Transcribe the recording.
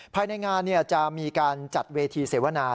ภายในงานจะมีการจัดเวทีเสวนา